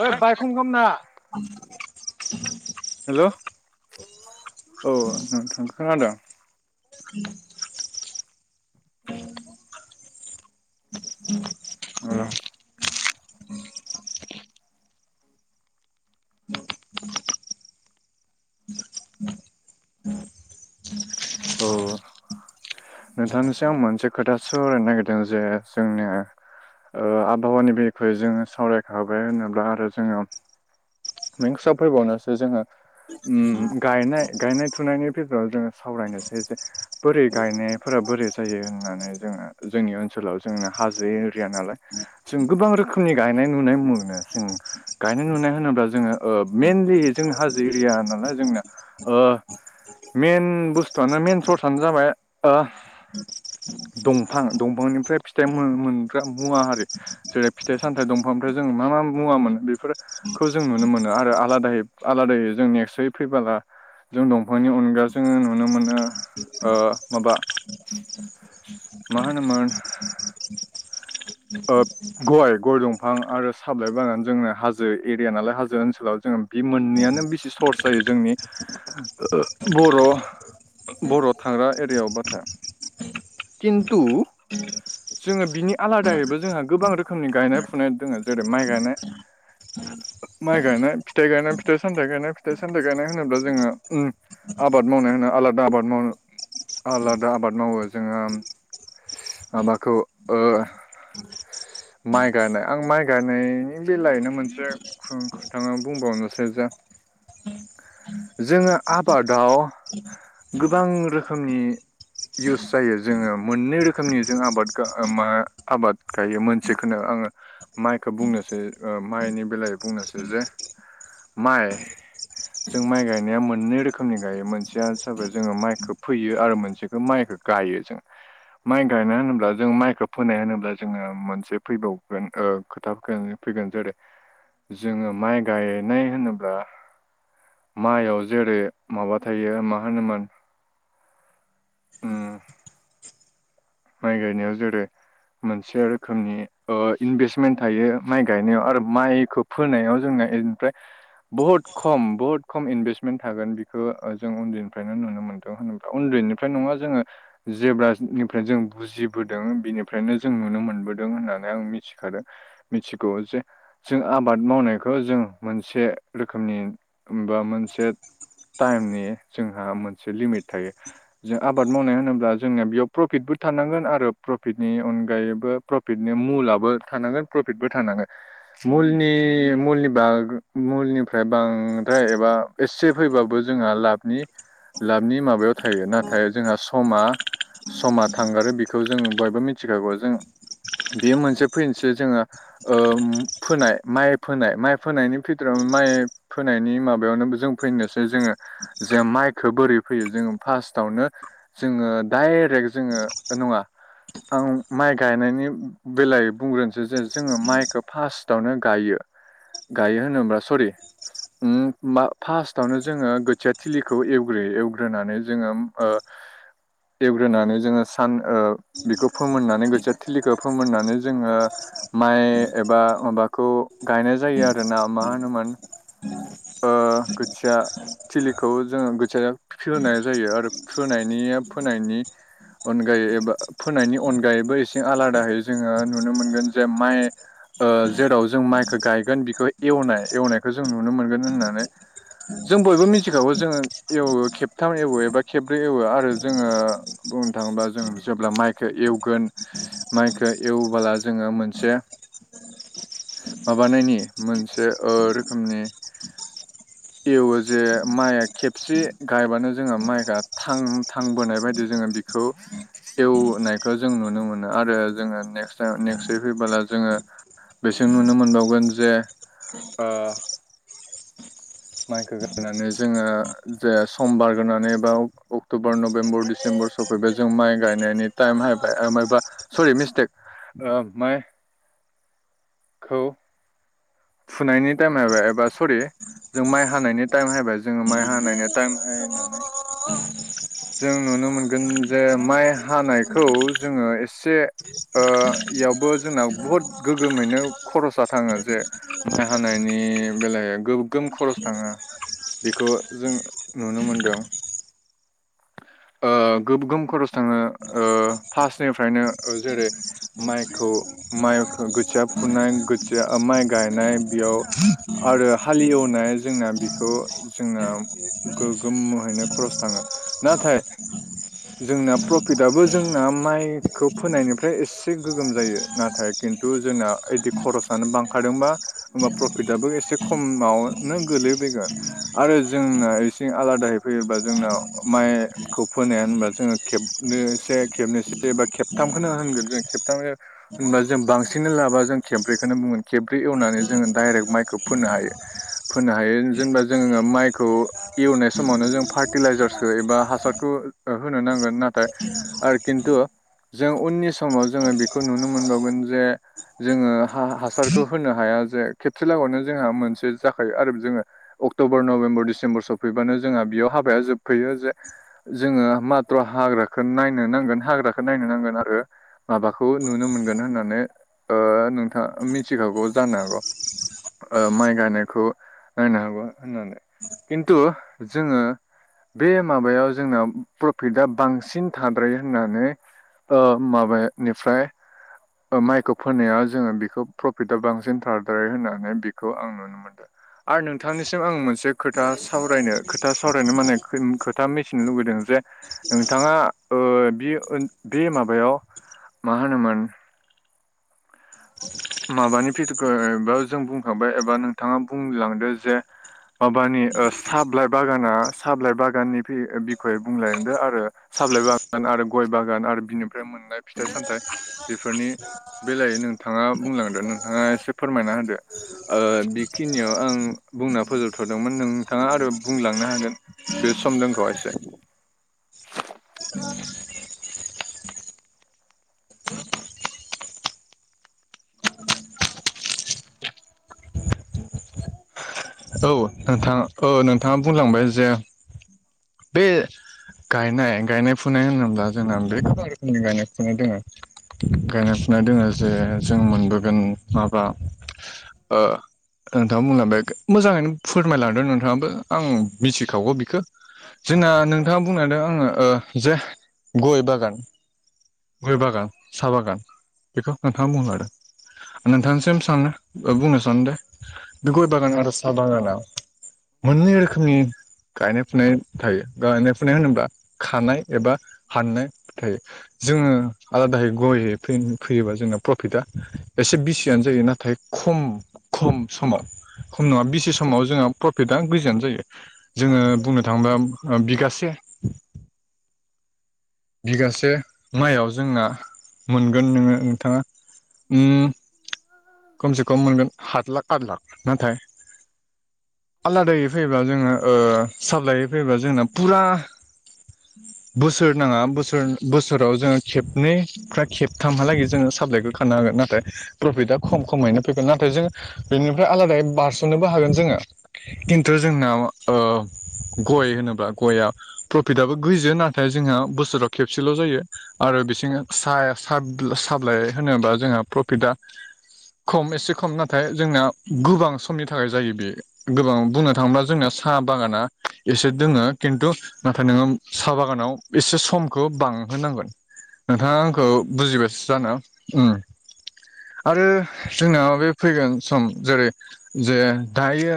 ओइ [unintelligible] [unintelligible] हेल' औ नोंथां खोनादों? [inaudible] ओम। औ। नोंथांनिसिम आं मोनसे खोथासो सावरायनो नागिरदों जे जोंनिया ओ आबहावानि बिरेखयै जोङो सावरायखाबाय होनोब्ला आरो जोङो मिंसाव फैबावनोसो जोङो उम गायनाय फुनायनि बेफोराव जोङो सावरायनोसै जे बोरै गायनायफोरा बोरै जायो होननानै जोङो जोंनि ओनसोलाव जोंना हाजो एरिया नालाय जों गोबां रोखोमनि गायनाय नुनाय मोनो जों गायनाय नुनाय होनोब्ला जों जोङो ओ मइेनलि जोंनि हाजो एरिया नालाय जोंना ओ। मेन बुस्थुआनो मेन सर्सनो जाबाय ओ। दंफां दंफांनिफ्राय फिथाइ मोन-मोनग्रा मुवा आरो जेरै फिथाइ सामथाइ दंफांनिफ्राय जोङो मा मा मुवा मोनो बेफोरो जों नुनो मोनो आरो आलादायै आलादायै जों नेक्सयै फैबोला जों दंफांनि अनगा जों नुनो मोनो ओ माबा मा होनोमोन ओ [unintelligible] गय गय दंफां आरो साहा बिलाय बागान जोंना हाजो एरिया नालाय हाजो ओनसोलाव जोङो बि मोननैआनो बेसे सर्स जायो जोंनि बर' बर' थांग्रा एरियायाव बाथाय। खिन्थु जोङो बिनि आला दायैबो जोंहा गोबां रोखोमनि गायनाय फुनाय दङ जेरै माइ गायनाय माइ गायनाय, फिथाइ गायनाय, फिथाइ सामथाइ गायनाय, फिथाइ सामथाइ गायनाय होनोब्ला जोङो ओम आबाद मावनाय होनो आलादा आबाद मावो आलादा आबाद मावो जोङो माबाखौ ओ माइ गायनाय आं माइ गायनायनि बेलायैनो मोनसे खुं खोथाखौ बुंबावनोसै जा जोङो आबादाव गोबां रोखोमनि इउस जायो जोङो मोननै रोखोमनि जों आबाद गा मा आबाद गायो मोनसेखौनो आङो माइखौ बुंनोसै ओ माइनि बेलायाव बुंनोसै जे माइ जों माइ गायनाया मोननै रोखोमनि गायो मोनसेया जाबाय जोङो माइखौ फोयो आरो मोनसे बे माइखौ गायो जों। माइ गायनाय होनोब्ला जों माइखौ फोनाय होनोब्ला जोङो मोनसे फैबावगोन ओ खोथा फैगोन जेरै जोङो माइ गायनाय होनोब्ला माइआव जेरै माबा थायो मा होनोमोन उम माइ गायनायाव जेरेै मोनसे रोखोमनि ओ इनभेस्मेन्ट थायो माइ गायनायाव आरो माइखौ फोनायाव जोंना इनिफ्राय बहुद खम बहुद खम इनभेस्टमेन्ट थागोन बेखौ ओ जों उन्दैनिफ्रायनो नुनो मोन्दों होनोब्ला उन्दैनिफ्राय नङा जोङो जेब्लानि फ्राय जों बुजिबोदों बिनिफ्रायनो जों नुनो मोनबोदों होन्नानै आं मिथिखादों। मिथिगौ जे जों आबाद मावनायखौ जों मोनसे रोखोमनि बा मोनसे टाइमनि जोंहा मोनसे लिमिट थायो जों आबाद मावनाय होनोब्ला जोंनिया बेयाव प्रफिटबो थानांगोन आरो प्रफिटनि अनगायैबो प्रफिटनि मुलाबो थानांगोन प्रफिटबो थानांगोन। मुलनि मुलनि बार मुलनिफ्राय बांद्राय एबा एसे फैबाबो जोंहा लाबनि लाबनि माबायाव थायो नाथाय जोंहा समा समा थांगारो बेखौ जों बयबो मिथिखागौ जों बेयो मोनसे फैनोसै जोङो ओम फोनाय माइ फोनाय माइ फोनायनि फिथोरावनो माइ फोनायनि माबायावनो जों फैनोसै जोङो जे माइखौ बोरै फोयो जोङो फार्स्टआवनो जोङो दाय रेक्ट जोङो ओ नङा‌, आं माइ गायनायनि बेलायै बुंग्रोनोसै जे जोङो माइखौ फार्स्टआवनो गायो। गायो होनोब्ला सरी ओम मा फार्स्टावनो जोङो खोथिया थिलिखौ एवग्रोयो। एवग्रोनानै जोङो ओ एवग्रोनानै जोङो सान ओ बेखौ फोमोननानै खोथिया थिलिखौ फोमोननानै जोङो माइ एबा माबाखौ गायनाय जायो आरोना मा होनोमोन [unintelligible] थिलिखौ जोङो [unintelligible] जायो आरो फोनायनिया फोनायनि अनगायै एबा फोनायनि अनगायैबो एसे आलादायै जोङो नुनो मोनगोन जे माइ ओ जेराव जों माइखौ गायगोन बेखौ एवनाय एवनायखौ जों नुनो मोनगोन होननानै जों बयबो मिथिखागौ जोङो एवो खेबथाम एवो एबा खेब्रै एवो आरो जोङो बुंनो थाङोबा जों जेब्ला माइखौ एवगोन माइखौ एवबोला जोङो मोनसे [inaudible] माबानायनि मोनसे ओ रोखोमनि एवो जे माइआ खेबसे गायबानो जोङो मायगाब थां थांबोनाय बायदि जोङो बिखौ सेवनायखौ जों नुनो मोनो आरो जोङो नेस् नेक्स्ट फैबोला जोङो बेसां नुनो मोनबावगोन जे ओ माइखौ गायनै जोङो जे समबारग्रानै एबा अक्ट'बर नभेम्बर दिसि तेम्बर सफैबाय जों माइ गायनायनि टाइम हायबाय मबा सरि मिस्टेक ओ माइ खौ फुनायनि टाइमायबाय एबा सरि जों माइ हानायनि टाइम जाहबाय जोङो माइ हानायनि टाइम हायनानै [inaudible] जों नुनो मोनगोन जे माइ हानायखौ जोङो एसे ओ एयावबो जोंना बुहुद गोगोमैनो खरसा थाङो जे माइ हानायनि बेलायाव गोगोम खरस थाङो। बेखौ जों नुनो मोनदों। ओ गोगोम खरस थाङो ओ फार्स्टनिफ्रायनो जेरै माइखौ माइखौ गोथिया फुनाय गोथिया माइ गायनाय बेयाव आरो हालेवनाय जोंना बेखौ जोंना गोगोमोहैनो खरस थाङो नाथाय जोंना प्रफिटआबो जोंना माइखौ फोनायनिफ्राय एसे गोगोम जायो नाथाय खिन्थु जोंना बिदि खरसनो बांखादोंबा होमबा प्रफितआबो एसे खमावनो गोलैबैगोन आरो जोंना इसे आलादायै फैयोबा जोंना माइ खौ फोनाया होनबा जोङो खेबनैसे खेबनैस एबा खेबथामखौनो होनगोन जों खेबथाम होनबा जों बांसिननो लाब जों खेब्रैखौनो बुंगोन खेब्रै एवनानै जोङो डाइरेक्ट माइखौ फोनो हायो फोनो हायो जेनेबा जोङो माइखौ एवनाय समावनो जों फार्टिलाइजार खो एबा हासारखौ होनो नांगोन नाथाय आरो खिन्थु जों उननि समाव जोङो बेखौ नुनो मोनबावगोन जे जोङो हा हासारखौ होनो हाया जे खेबसे लागावनो जोंहा मोनसे जाखायो आरो जोङो अक्ट'बर नभेम्बर डिसेम्बर सफैबानो जोंहा बेयाव हाबाया जोबफैयो जे जोङो मत्र' हाग्राखौ नायनो नांगोन हाग्राखौ नायनो नांगोन आरो माबाखौ नुनो मोनगोन होननानै ओ नोंथाङ मिथिखागौ जानो हागौ ओ माइ गायनायखौ नायनो हागौ होननानै खिन्थु जोङो बे माबायाव जोंनाव प्रफिटा बांसिन थाद्रायो होननानै ओ माबानिफ्राय माइखौ फोनायाव जोङो बेखौ प्रफिटा बांसिन [unintelligible] होननानै बेखौ आं नुनो मोनदों। आरो नोंथांनिसिम आं मोनसे खोथा सावरायनो खोथा सावरायनो माने [unintelligible] खोथा मिथिनो लुुबैदों जे नोंथाङा ओ बे ओ बे माबायाव मा होनोमोन माबानि फिथखौ बा जों बुंखांबाय एबा नोंथाङा बुंलांदों जे माबानि ओ साबलाइ बागाना साबलाइ बागाननि बि-बिखय बुंलायदो आरो साबलाइ बागान आरो गय बागान आरो बिनिफ्राय मोननाय फिथाइ सामथाइ। [unintelligible] बेलाय नोंथाङा बुंलांदो नोंथाङा एसे फोरमायना होदो। ओ बेखिनियाव आं बुंना फोजोबथ'दोंमोन नोंथाङा आरो बुंलांनो हागोन। बे सम दोंखौ एसे औ नोंथां औ नोंथाङा बुंलांबाय जे बे गायनाय गायनाय फुनाय होनोब्ला जोंना बे गोबां रोखोमनि गायनाय फुनाय दोङो। गायनाय फुनाय दोङो जे जों मोनबोगोन माबा ओ नोंथां बुंलांबाय मोजाङैनो फुरमायलांदों नोंथाङाबो आं मिथिखागौ बिखो। जोंना नोंथाङा बुंनांदों आङो ओ जे गय बागान। गय बागान साहा बागान बेखौ नोंथाङा बुंलादों। नोंथांसिम सों बुंनो सानो दे बे गय बागान आरो साहा बागाना मोननै रोखोमनि गायनाय फुनाय थायो गायनाय फुनाय होनोब्ला खानाय एबा हाननो थायो। जोङो आलादायै ग'यै फै-फैयोबा जोंना प्रफिटआ एसे बिसियानो जायो नाथाय खम खम समा खम नङा बिसि समाव जोंहा प्रफिटआ गोजान जायो जोङो बुंनो थाङोबा ओ बिगासे बिगासे माइआव जोंना मोनगोन नोङो नोंथाङा उम खमसे खम मोनगोन हात लाख आत लाख नाथाय आलादायै फैबा जोङो ओ साफ्लायै फैबा जोंना फुरा बोसोर नाङा बोसोराव जोङो खेबनै फ्रा खेबथामहालागै जोङो साबलाइखौ खानो हागोन नाथाय प्रफिटआ खम खमैनो फैगोन नाथाय जों बेनिफ्राय आलादायै पारस सोमनोबो हागोन जोङो खिन्थु जोंनाव ओ गय होनोब्ला गया प्रफिटआबो गोजो नाथाय जोंहा बोसोराव खेबसेल' जायो। आरो बिसिङो साया सा-साबिलाइ होनोबा जोंहा प्रफिटआ खम एसे खम नाथाय जोंना गोबां समनि थाखाय जायो बेयो‌। गोबां बुंनो थाङोब्ला जोंना सा बागाना एसे दोङो खिन्थु नाथाय नोङो साहा बागानाव एसे समखौ बांहोनांगोन। नोंथाङा आंखौ बुजिबासो जानो उम आरो जोंनाव बे फैगोन सम जेरै जे दायो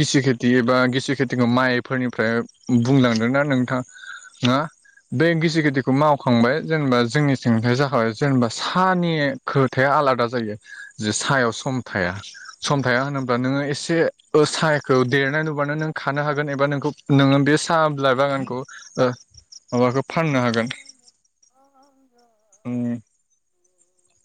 गिसि खेथि बा गिसिखेथिखौ माइफोरनिफ्राय बुंलांदों ना नोंथां? ना? बै गिसि खेथिखौ मावखांबाय जेनेबा जोंनिथिंजाय जाखाबाय जेनेबा सानि खोथाया आलादा जायो जे सायाव सम थाया। सम थाया होनोब्ला नोङो एसे ओ साहाखौ देरनाय नुबानो नों खानो हागोन एबा नोंखौ नोङो बे साहा बिलाइ बागानखौ ओ माबाखौ फाननो हागोन ओं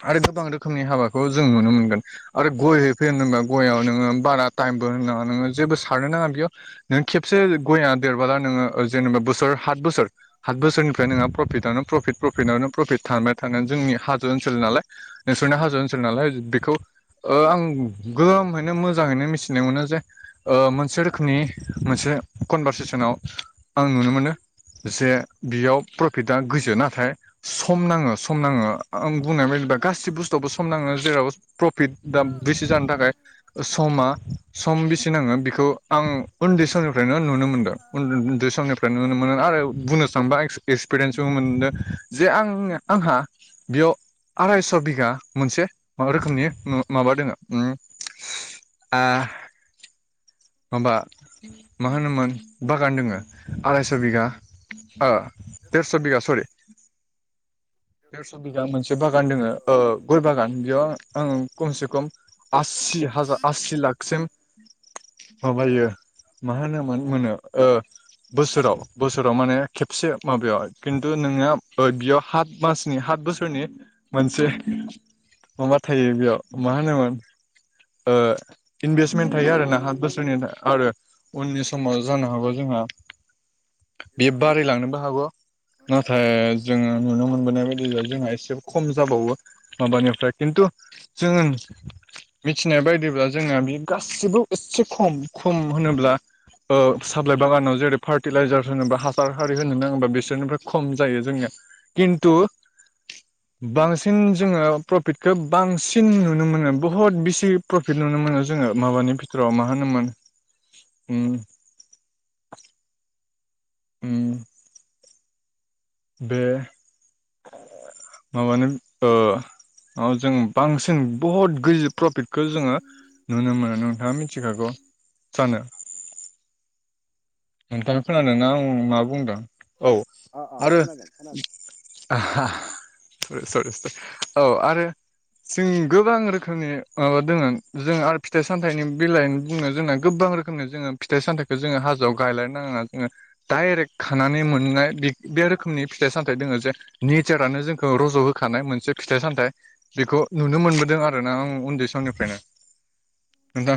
आरो गोबां रोखोमनि हाबाखौ जों नुनो मोनगोन आरो गय फै होनोबा गयाव नोङो बारा टाइमबो होनाङा नोङो जेबो सारनो नाङा बेयाव नों खेबसे गया देरबोला नोङो जेनेबा बोसोर हात बोसोर हात बोसोरनिफ्राय नोंहा प्रफिटआनो प्रफिट प्रफिटआनोप्रफिट थानबाय थानो जोंनि हाजो ओन सोल नालाय नोंसोरना हाजो ओनसोल नालाय बेखौ आं गगोम मोजाङैनो मिथिनो मोनो जे मोनसे रोखोमनि मोनसे कनभारसेसनाव आं नुनो मोनो। जे बियाव प्रफिटा नाथाय सम नाङो सम नाङो आं बुंनाय बायदिबा गासि बुस्थुवावबो सम नाङो जेराव प्रफिट दा बैसो जानो थाखाय समा सम बेसे नाङो बेखौ आं उन्दै समनिफ्रायनो नुनो मोनदों उन्दै समनिफ्राय नुनो मोनो आरो बुंनो थांबा एक्सपिरियेन्सबो मोनदों जे आं आंहा बेयाव आरायस' बिघा मोनसे मबा रोखोमनि माबा दोङो आ माबा मा होनोमोन बागान दोङो आरायस' बिघा देरस' बिघा सरि बिघा मोनसे बागान दोङो गय बागान बेयाव आं खमसे खम आसि हाजा आसि लाखसिम माबायो मा होनोमोन मोनो बोसोराव बोसोराव माने खेबसे माबायाव खिन्थु नों बियाव मासनि बोसोरनि मोनसे माबा थायो बेयाव मा होनोमोन इनभेस्टमेन्ट थायो आरोना हात बोसोरनि आरो उननि समाव जानो हागौ जोंहा बेयो बाराय लांनोबो हागौ नाथाय जोङो नुनो मोनबोनाय बायदि जोंहा एसे खम जाबावो माबानिफ्राय खिन्थु जोङो मिथिनाय बायदिब्ला जोंहा बे गासिबो एसे खम खम होनोब्ला बागानाव जेरै फार्टिलाइजार होनोबा हासार हारि होनो नाङोबा बिसोरनिफ्राय खम जायो जोंनिया खिन्थु बांसिन जोङो प्रफिटखौ बांसिन नुनो मोनो बहुद बिसि प्रफिट नुनो मोनो जोङो माबानि बिथोराव मा होनोमोन उम बे माबानो जों बांसिन बुहुत प्रफिटखौ जोङो नुनो मोनो नोंथाङा मिथिखागौ सानो नोंथांआ खोनादोंना आं मा बुंदों औ आरो सरि सरि औ आरो जों गोबां रोखोमनि माबा दोङो जों आरो फिथाइ सामथाइनि गोबां रो खोमनि जोङो फिथाइ सामथाइखौ जों हाजोआव गायलायनो नाङा जोङो डाइरेक्ट खानानै मोननाय बे रोखोमनि फिथाइ सामथाइ दोङो जे नेचारानो जोंखौ रज' होखानाय मोनसे फिथाइ सामथाइ बेखौ नुनो मोनबोदों आरोना आं उन्दै समनिफ्रायनो नोंथां